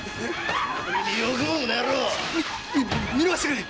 〔見逃してくれ！